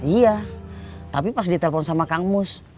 iya tapi pas ditelepon sama kang mus